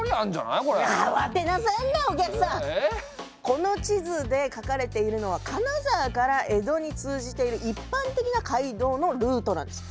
この地図で描かれているのは金沢から江戸に通じている一般的な街道のルートなんです。